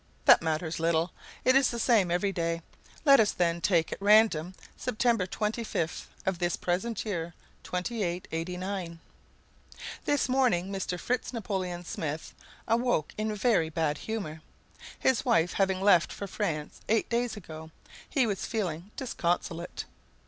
That matters little; it is the same every day. Let us then take at random September 25th of this present year 2889. This morning Mr. Fritz Napoleon Smith awoke in very bad humor. His wife having left for France eight days ago, he was feeling disconsolate.